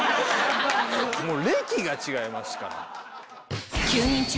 もう歴が違いますから。